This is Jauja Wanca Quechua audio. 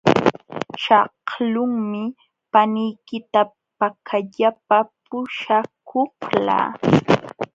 Shaqlunmi paniykita pakallapa puśhakuqlaa.